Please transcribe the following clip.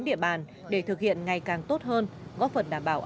địa bàn để thực hiện ngày càng tốt hơn góp phần đảm bảo